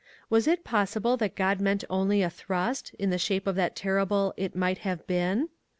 Was it possible that God meant only a thrust, in the shape of that ter rible "it might have been?"